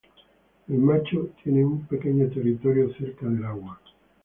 El macho tiene un pequeño territorio cerca del agua.